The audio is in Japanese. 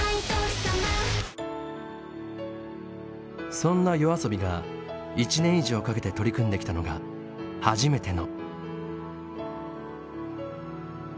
そんなＹＯＡＳＯＢＩが１年以上かけて取り組んできたのが「はじめての」。